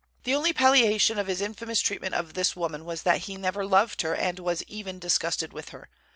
The only palliation of his infamous treatment of this woman was that he never loved her, and was even disgusted with her.